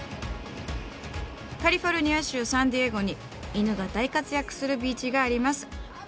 カリフォルニア州サンディエゴに犬が大活躍するビーチがあります。